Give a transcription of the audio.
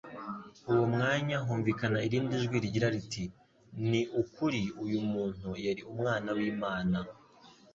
uwo mwanya humvikana irindi jwi rigira riti: «Ni ukuri uyu muntu yari Umwana w'Imana..»